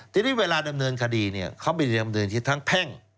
ทีนี้เวลาดำเนินคดีเนี่ยเขามีดำเนินชีวิตทั้งแพ่ง